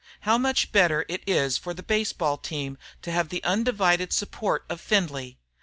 How much better it is for the baseball team to have the undivided support of Findlay!